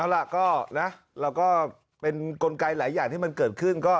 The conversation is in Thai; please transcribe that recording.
เอาล่ะก็นะเราก็เป็นกลไกหลายอย่างที่มันเกิดขึ้นก็